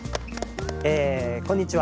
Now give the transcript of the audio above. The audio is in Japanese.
えこんにちは。